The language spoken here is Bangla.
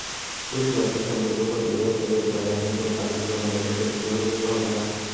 রুশ-মার্কিন সম্পর্ক ক্ষতিগ্রস্ত করতে পারে—এমন কোনো কার্যক্রম আমাদের কাছে গ্রহণযোগ্য হবে না।